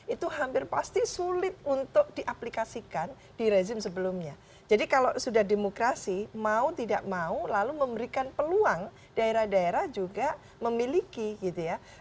itu hampir pasti sulit untuk diaplikasikan di rezim sebelumnya jadi kalau sudah demokrasi mau tidak mau lalu memberikan peluang daerah daerah juga memiliki gitu ya